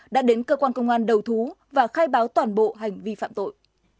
đã đến cơ quan công an đầu thú và khai báo toàn bộ hành vi phạm tội